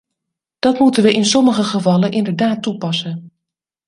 Dat moeten we in sommige gevallen inderdaad toepassen.